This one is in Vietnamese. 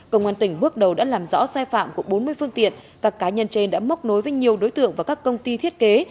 công an tỉnh bước đầu đã làm rõ sai phạm của bốn mươi phương tiện các cá nhân trên đã móc nối với nhiều đối tượng và các công ty thiết kế